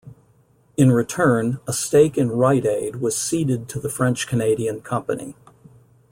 In return, a stake in Rite Aid was ceded to the French-Canadian company.